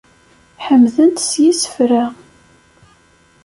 Ḥemden-t s yisefra.